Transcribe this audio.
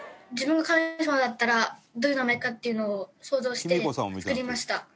自分が神様だったらどういう名前かっていうのを想像して作りました。